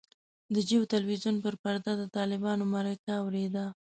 د جیو تلویزیون پر پرده د طالبانو مرکه اورېده.